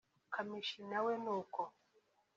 Kamichi na we n’uko